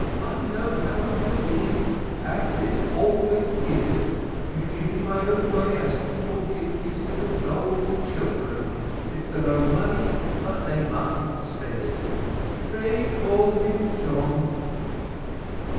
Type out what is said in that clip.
I know how it will be, as it always is: you give me my own way as people give pieces of gold to children, it's their own money, but they must not spend it. Pray call him John."